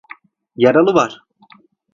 Yaralı var!